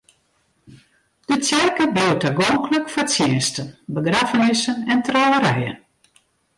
De tsjerke bliuwt tagonklik foar tsjinsten, begraffenissen en trouwerijen.